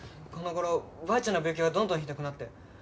この頃ばあちゃんの病気がどんどんひどくなって。